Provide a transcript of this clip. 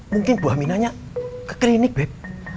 mungkin bu aminahnya ke klinik beb